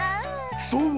どうも！